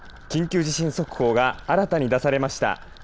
緊急地震速報が新たに出されました。